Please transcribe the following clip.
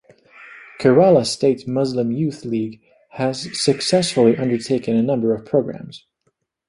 Kerala state Muslim Youth League has successfully undertaken a number of programs.